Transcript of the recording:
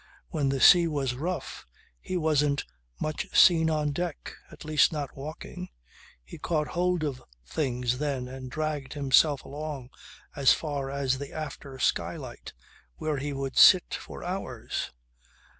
When the sea was rough he wasn't much seen on deck at least not walking. He caught hold of things then and dragged himself along as far as the after skylight where he would sit for hours.